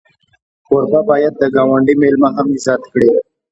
کوربه باید د ګاونډي میلمه هم عزت کړي.